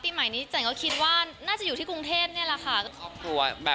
ปีใหม่ก็กลัวคิดว่าน่าจะอยู่ที่กรุงเทศสหาพัฒนวัล